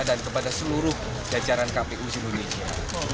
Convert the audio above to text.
dan kepada seluruh jajaran kpu indonesia